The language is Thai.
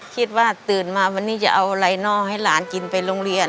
คิดว่าตื่นมาวันนี้จะเอาอะไรนอลให้หลานกินไปโรงเรียน